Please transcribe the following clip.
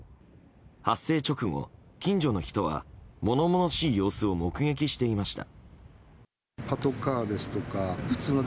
発生直後、近所の人は物々しい様子を目撃していました。